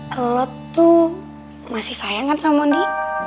kalo lu tuh masih sayang kan sama mondi